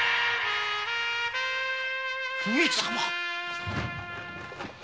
上様！？